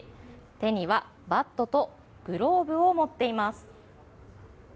手にはバットとグローブを持っています。